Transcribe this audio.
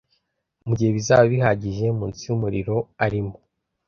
mugihe bizaba bihagije munsi y umuriro arimo